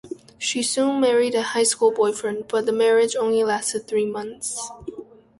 She soon married a high school boyfriend, but the marriage only lasted three months.